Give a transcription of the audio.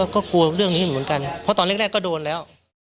ก็กลัวเรื่องนี้อยู่เหมือนกันเพราะตอนแรกก็โดนแล้ว